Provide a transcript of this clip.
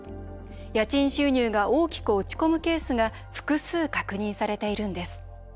家賃収入が大きく落ち込むケースが複数、確認されているんです。